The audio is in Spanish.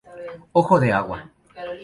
Ojo de agua.